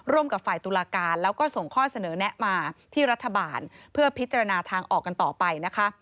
ร่วมกับฝ่ายตุลาการแล้วก็ส่งข้อเสนอแนะมาที่รัฐบาลเพื่อพิจารณาทางออกกันต่อไปนะคะ